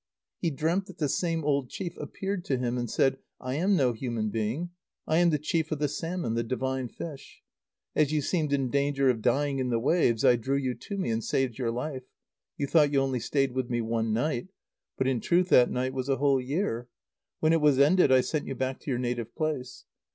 He dreamt that the same old chief appeared to him and said: "I am no human being. I am the chief of the salmon, the divine fish. As you seemed in danger of dying in the waves, I drew you to me and saved your life. You thought you only stayed with me one night. But in truth that night was a whole year. When it was ended, I sent you back to your native place.